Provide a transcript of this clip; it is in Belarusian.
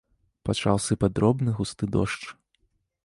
Пачаў сыпаць дробны густы дождж.